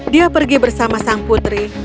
dia pergi bersama sang putri